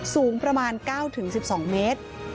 สูงประมาณ๙๑๒เมตร